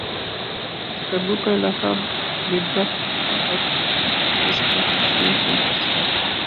اسکردو کا علاقہ بدھت تبت کے ثقافتی شعبے کا ایک حصہ تھا